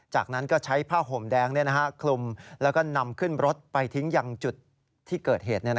จากนั้นก็ใช้ผ้าห่มแดงคลุมแล้วก็นำขึ้นรถไปทิ้งยังจุดที่เกิดเหตุ